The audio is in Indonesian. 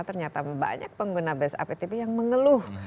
ternyata banyak pengguna bus aptb yang mengeluh